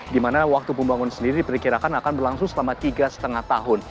di mana waktu pembangunan sendiri diperkirakan akan berlangsung selama tiga lima tahun